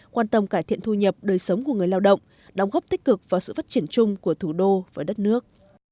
quan tâm cải thiện thu nhập đời sống của người lao động đóng góp tích cực vào sự phát triển chung của thủ đô và đất nước